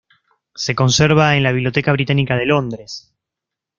Se conserva en la Biblioteca Británica de Londres.